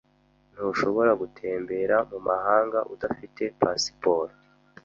Ntushobora gutembera mumahanga udafite pasiporo.